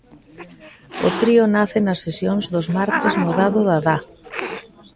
O trío nace nas sesións dos martes no Dado Dadá.